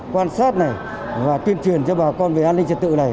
quan sát này và tuyên truyền cho bà con về an ninh trật tự này